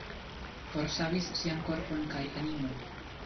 Forsavis sian korpon kaj animon.